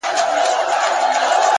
ښه ملګرتیا فکرونه لوړوي,